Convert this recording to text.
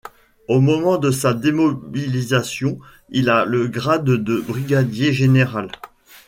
Au moment de sa démobilisation, il a le grade de brigadier-général.